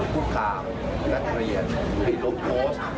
พูดข่าวนักเรียนไปลบโพสต์